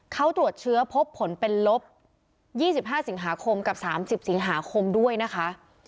เขาตรวจเชื้อพบผลเป็นลบ๒๕สิงหาคมกับ๓๐สิงหาคมด้วยนะคะ